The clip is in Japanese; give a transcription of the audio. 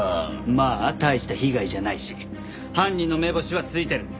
まあ大した被害じゃないし犯人のめぼしはついてる。